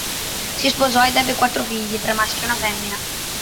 Si sposò ed ebbe quattro figli, tre maschi e una femmina.